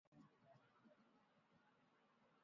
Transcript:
背鳍与臀鳍的最后一鳍条鳍膜与尾柄不相连。